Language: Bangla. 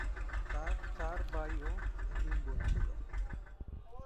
তাঁর চার ভাই ও তিন বোন ছিল।